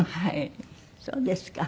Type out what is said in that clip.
そうですか。